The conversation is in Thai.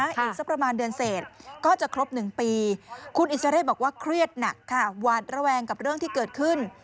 อีกสักประมาณเดือนเสร็จก็จะครบ๑ปีคุณอิสราเรศบอกว่าเครียดหนักค่ะหวาดระแวงกับเรื่องที่เกิดขึ้น